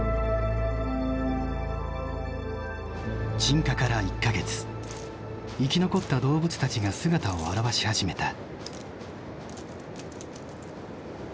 鎮火から１か月生き残った動物たちが姿を現し始めた。